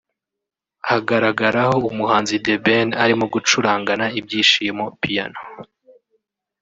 hagaragaraho umuhanzi The Ben arimo gucurangana ibyishimo piano